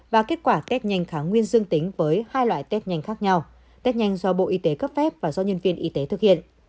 và kết quả test nhanh kháng nguyên dương tính với hai loại test nhanh khác nhau test nhanh do bộ y tế cấp phép và do nhân viên y tế thực hiện